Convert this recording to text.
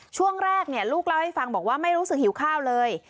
ช่วงแรกลูกเล่าให้ฟังบอกว่าไม่รู้สึกหิวข้าวเลย